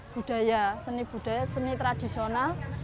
budaya seni budaya seni tradisional